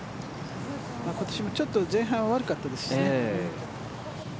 今年もちょっと前半は悪かったですしね。